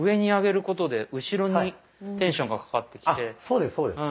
そうですそうです。